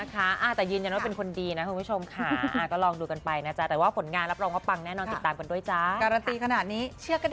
แต่ความจริงไม่ใช่นะความจริงคนดี